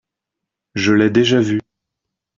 Je l'ai déjà vu.